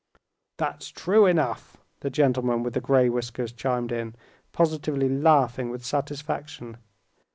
"That's true enough," the gentleman with the gray whiskers chimed in, positively laughing with satisfaction.